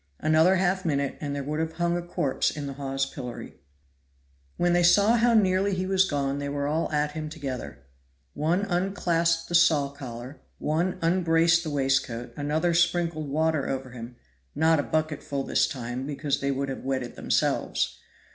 Another half minute and there would have hung a corpse in the Hawes pillory. When they saw how nearly he was gone they were all at him together. One unclasped the saw collar, one unbraced the waistcoat, another sprinkled water over him not a bucketful this time, because they would have wetted themselves.